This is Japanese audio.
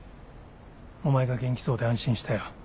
お前が元気そうで安心したよ。